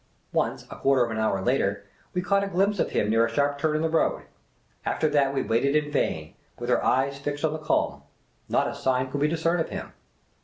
Once, a quarter of an hour later, we caught a glimpse of him near a sharp turn in the road ; after that we waited in vain, with our eyes fixed on the Kulm ; not a sign could we discern of him.